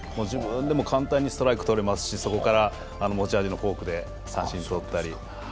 簡単にストライク取れますし、そこから持ち味のフォークで三振とったり。